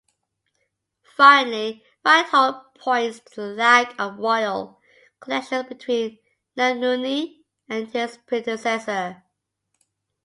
Finally, Ryholt points to the lack of royal connections between Nebnuni and his predecessor.